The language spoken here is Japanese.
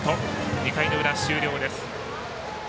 ２回の裏、終了です。